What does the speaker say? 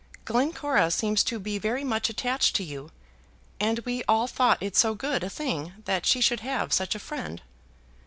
Glencora seems to be very much attached to you, and we all thought it so good a thing that she should have such a friend."